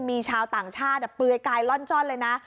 มีชาวต่างชาติเปลือยกายล่อนจ้อนเลยนะ